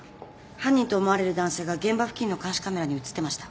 犯人と思われる男性が現場付近の監視カメラにうつってました。